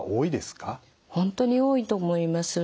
本当に多いと思います。